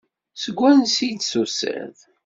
Seg wansi i d-tusiḍ?